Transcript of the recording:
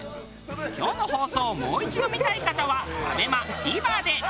今日の放送をもう一度見たい方はＡＢＥＭＡＴＶｅｒで。